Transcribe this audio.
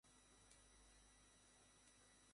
আমাদের ছাড়া তো স্বর্গও অসম্পূর্ণ ভাই।